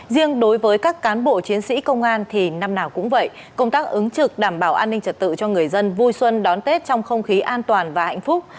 riêng đối với các cán bộ chiến sĩ công an thì năm nào cũng vậy công tác ứng trực đảm bảo an ninh trật tự cho người dân vui xuân đón tết trong không khí an toàn và hạnh phúc